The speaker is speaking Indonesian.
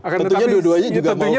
tentunya dua duanya juga mau kenyang